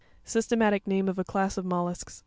Systematic name of a class of mol lusks.